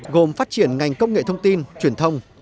gồm phát triển ngành công nghệ thông tin truyền thông